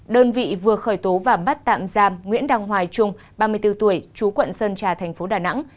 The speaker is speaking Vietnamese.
đơn vị vừa khởi tố và bắt tạm giam nguyễn đăng hoài trung ba mươi bốn tuổi chú quận sơn trà thành phố đà nẵng